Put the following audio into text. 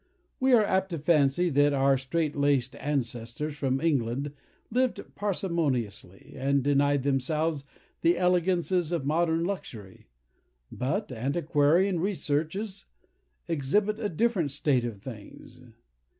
We are apt to fancy that our strait laced ancestors from England lived parsimoniously, and denied themselves the elegances of modern luxury; but antiquarian researches exhibit a different state of things.